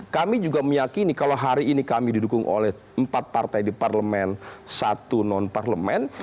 kami juga meyakini kalau hari ini kami didukung oleh empat partai di parlemen satu non parlemen